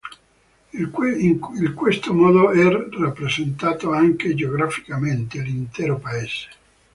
Il questo modo è rappresentato, anche geograficamente, l'intero Paese.